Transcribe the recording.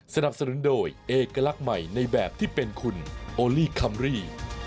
สนับสนุนโดยเอกลักษณ์ใหม่ในแบบที่เป็นคุณโอลี่คัมรี่